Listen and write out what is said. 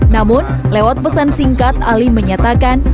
namun lewat pesan singkat ali menyatakan